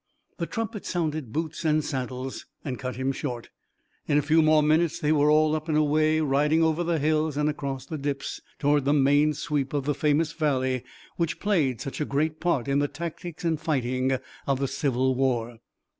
The trumpet sounded boots and saddles, and cut him short. In a few more minutes they were all up and away, riding over the hills and across the dips toward the main sweep of the famous valley which played such a great part in the tactics and fighting of the Civil War.